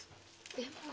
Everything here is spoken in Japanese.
でも。